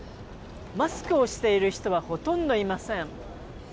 マスクをしている人はほとんどいません。